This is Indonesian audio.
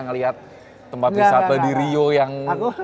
ngelihat tempat wisata di rio yang